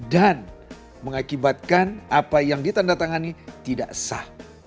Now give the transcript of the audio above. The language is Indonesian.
dan mengakibatkan apa yang ditanda tanganin tidak sah